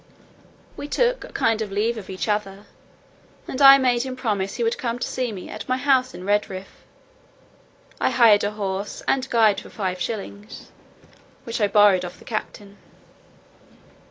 We took a kind leave of each other, and I made him promise he would come to see me at my house in Redriff. I hired a horse and guide for five shillings, which I borrowed of the captain.